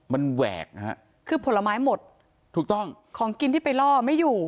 มันแหวกนะฮะคือผลไม้หมดถูกต้องของกินที่ไปล่อไม่อยู่